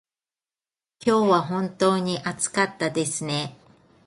今日は本当に暑かったですね。